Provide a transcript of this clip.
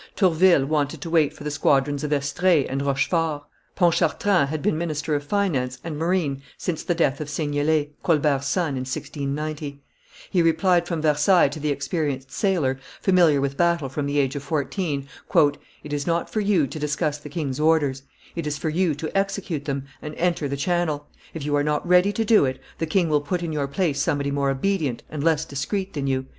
Tourville wanted to wait for the squadrons of Estrees and Rochefort; Pontchartrain had been minister of finance and marine since the death of Seignelay, Colbert's son, in 1690; he replied from Versailles to the experienced sailor, familiar with battle from the age of fourteen, "It is not for you to discuss the king's orders; it is for you to execute them and enter the Channel; if you are not ready to do it, the king will put in your place somebody more obedient and less discreet than you."